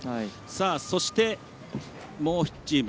そして、もう１チーム。